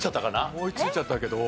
思いついちゃったけど。